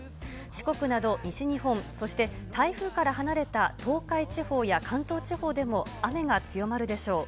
四国など西日本、そして台風から離れた東海地方や関東地方でも雨が強まるでしょう。